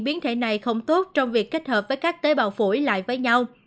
biến thể này không tốt trong việc kết hợp với các tế bào phổi lại với nhau